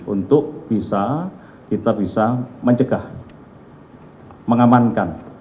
untuk bisa kita bisa mencegah mengamankan